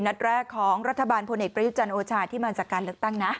นัดแรกของรัฐบาลพลเอกประยุจันทร์โอชาที่มาจากการเลือกตั้งนะ